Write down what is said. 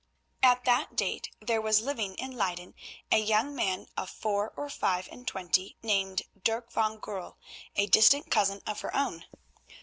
At that date there was living in Leyden a young man of four or five and twenty, named Dirk van Goorl, a distant cousin of her own.